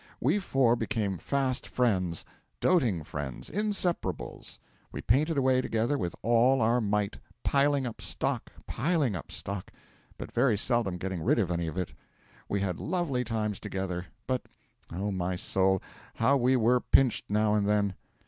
We four became fast friends, doting friends, inseparables. We painted away together with all our might, piling up stock, piling up stock, but very seldom getting rid of any of it. We had lovely times together; but, O my soul! how we were pinched now and then!